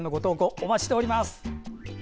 お待ちしております。